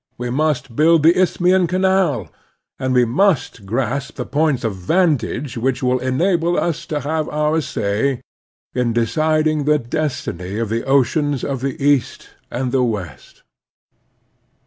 We must build the isthmian canal^ and we must grasp the points of vantage which will enable us to have our say in deciding the destiny of the oceans of the East and the West.